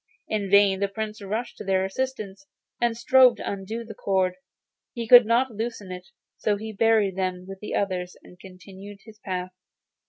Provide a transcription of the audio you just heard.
In vain the Prince rushed to their assistance and strove to undo the cord. He could not loosen it; so he buried them like the others and continued his path.